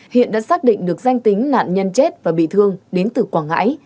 hiện đã xác định được danh tính nạn nhân chết và bị thương đến từ quảng ngãi